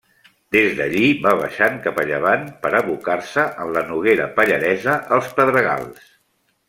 Des d'allí va baixant cap a llevant, per abocar-se en la Noguera Pallaresa als Pedregals.